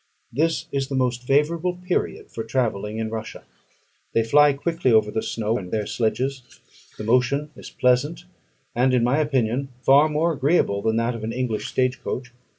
This is the most favourable period for travelling in Russia. They fly quickly over the snow in their sledges; the motion is pleasant, and, in my opinion, far more agreeable than that of an English stage coach.